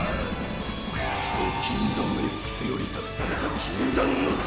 ドキンダムＸより託された禁断の力。